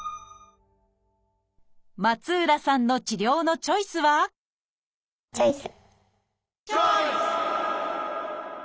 松浦さんの治療のチョイスはチョイス！